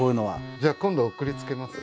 じゃあ今度送りつけますね。